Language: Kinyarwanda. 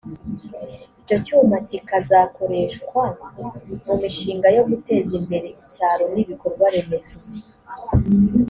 icyo cyuma kikazakoreshwa mu mishinga yo guteza imbere icyaro n ibikorwa remezo